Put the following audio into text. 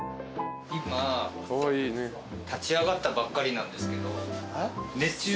今立ち上がったばっかりなんですけど。